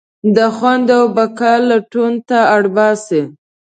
د خوند او بقا لټون ته اړباسي.